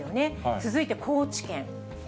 続いて高知県。